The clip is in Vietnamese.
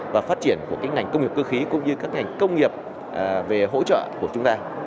và phát triển của ngành công nghiệp cơ khí cũng như các ngành công nghiệp về hỗ trợ của chúng ta